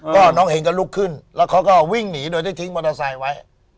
ก็น้องเองก็ลุกขึ้นแล้วเขาก็วิ่งหนีโดยที่ทิ้งมอเตอร์ไซค์ไว้